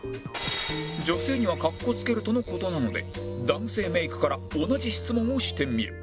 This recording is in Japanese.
女性には格好付けるとの事なので男性メイクから同じ質問をしてみる